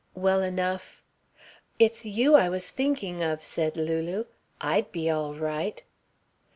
"Well enough " "It's you I was thinking of," said Lulu. "I'd be all right."